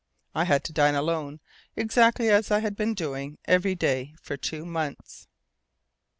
I had to dine alone, exactly as I had been doing every day for two months.